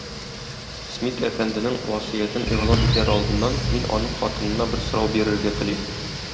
Смит әфәнденең васыятен игълан итәр алдыннан, мин аның хатынына бер сорау бирергә телим